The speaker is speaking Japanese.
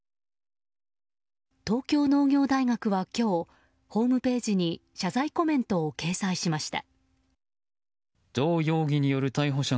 東京農業大学は今日ホームページに謝罪コメントを掲載しました。